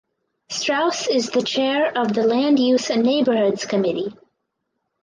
Strauss is the chair of the Land Use and Neighborhoods Committee.